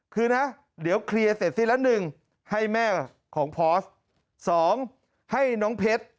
คือนะเดี๋ยวเคลียร์เสร็จสิ้นละ๑ให้แม่ของพอส๒ให้น้องเพชร